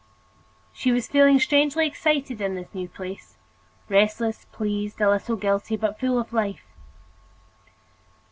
She was feeling strangely excited in this new place, restless, pleased, a little guilty, but full of life.